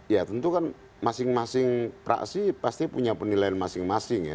ya tentu kan masing masing praksi pasti punya penilaian masing masing ya